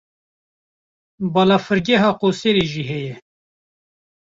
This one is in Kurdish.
Balafirgeha Qoserê jî heye.